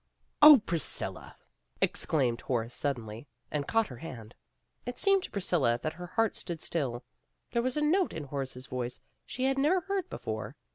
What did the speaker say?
"Oh, Priscilla," exclaimed Horace suddenly, and caught her hand. It seemed to Priscilla that her heart stood still. There was a note in Horace's voice she had never heard before.